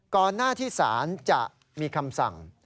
ก่อนหน้าที่ศาลจะมีคำสั่ง